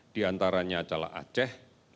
di antaranya adalah aceh